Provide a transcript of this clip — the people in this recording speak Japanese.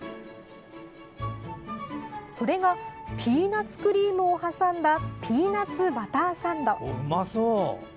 それがピーナツクリームを挟んだ、ピーナツバターサンド。